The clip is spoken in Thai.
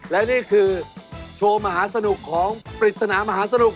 และนี่คือโชว์มหาสนุกของปริศนามหาสนุก